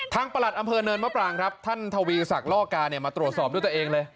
ประหลัดอำเภอเนินมะปรางครับท่านทวีศักดิ์ล่อกาเนี่ยมาตรวจสอบด้วยตัวเองเลย